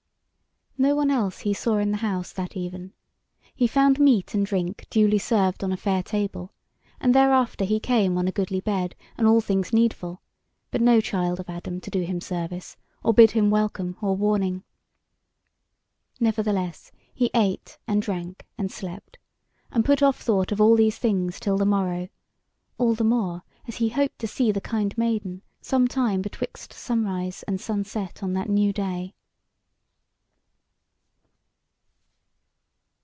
No one else he saw in the house that even; he found meat and drink duly served on a fair table, and thereafter he came on a goodly bed, and all things needful, but no child of Adam to do him service, or bid him welcome or warning. Nevertheless he ate, and drank, and slept, and put off thought of all these things till the morrow, all the more as he hoped to see the kind maiden some time betwixt sunrise and sunset on that new day.